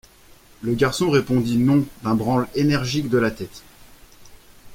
Le garçon répondit non, d’un branle énergique de la tête.